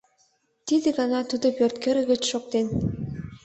Тиде гана тудо пӧрткӧргӧ гыч шоктен.